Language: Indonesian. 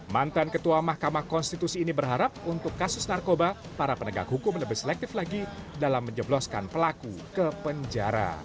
mantan ketua mahkamah konstitusi ini berharap untuk kasus narkoba para penegak hukum lebih selektif lagi dalam menjebloskan pelaku ke penjara